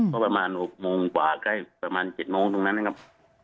ก็ประมาณ๖โมงกว่าใกล้ประมาณ๗โมงตรงนั้นนะครับ